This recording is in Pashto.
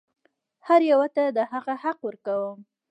هر یوه ته د هغه حق ورکوم.